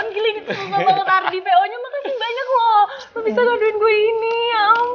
sisi sisi ini tuh menuju awal tahun